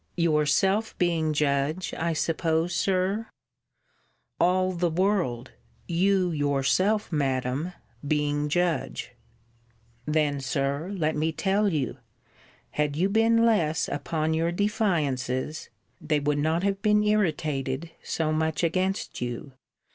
Yourself being judge, I suppose, Sir? All the world, you yourself, Madam, being judge. Then, Sir, let me tell you, had you been less upon your defiances, they would not have been irritated so much against you.